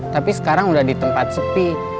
tapi sekarang udah di tempat sepi